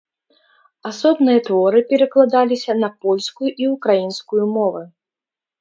Асобныя творы перакладаліся на польскую і ўкраінскую мовы.